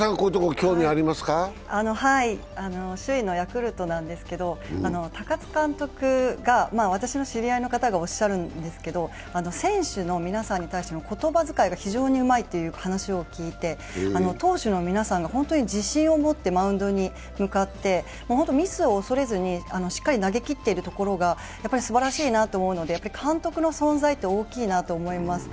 首位のヤクルトなんですけど、高津監督が私の知り合いの方がおっしゃるんですけど選手の皆さんに対しての言葉づかいが非常にうまいという話を聞いて投手の皆さんが自信を持ってマウンドに向かってミスを恐れずにしっかり投げきっているところがすばらしいなと思うので監督の存在って大きいなと思います。